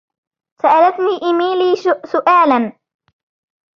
سألتني إيميلي سؤالاً.